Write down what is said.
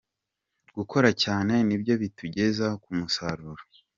Gukora cyane nibyo bitugeza ku musaruro”.